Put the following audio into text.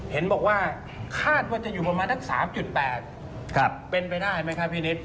เห็นบอกว่าคาดว่าจะอยู่ประมาณสัก๓๘เป็นไปได้ไหมครับพี่นิด